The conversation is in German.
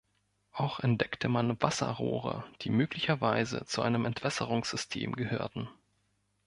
Auch entdeckte man Wasserrohre, die möglicherweise zu einem Entwässerungssystem gehörten.